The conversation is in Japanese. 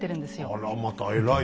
あらまたえらい。